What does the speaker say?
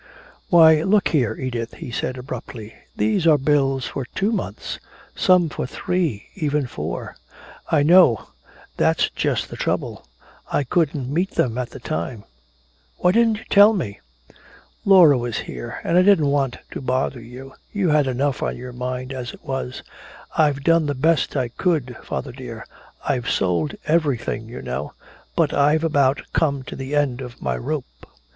"Why, look here, Edith," he said abruptly, "these are bills for two months some for three, even four!" "I know that's just the trouble. I couldn't meet them at the time." "Why didn't you tell me?" "Laura was here and I didn't want to bother you you had enough on your mind as it was. I've done the best I could, father dear I've sold everything, you know but I've about come to the end of my rope."